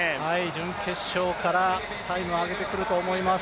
準決勝からタイム上げてくると思います。